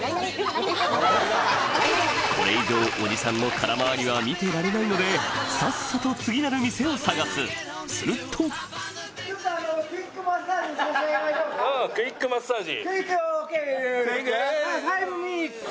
これ以上は見てられないのでさっさと次なる店を探すするとクイックマッサージ。